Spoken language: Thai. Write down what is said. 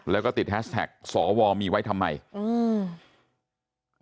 แล้วก็ติดแฮสแท็กสอวอมีไว้ทำไมอืม